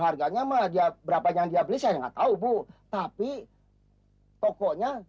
harganya mah dia berapa yang dia beli saya nggak tahu bu tapi tokonya